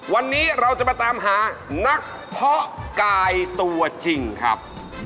วันนี้เราจะมาตามหานักเพาะกายตัวจริงครับ